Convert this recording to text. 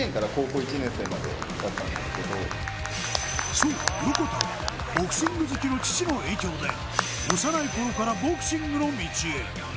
そう、横田はボクシング好きの父の影響で幼いころからボクシングの道へ。